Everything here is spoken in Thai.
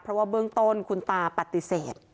เพราะว่าเบื้องต้นคุณตาปฏิเสธ